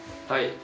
はい。